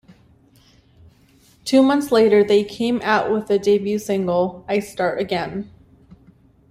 Two months later they came out with the debut single "I start again".